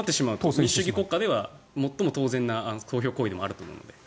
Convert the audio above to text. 民主主義国家ではもっとも当然な投票行為でもあると思うので。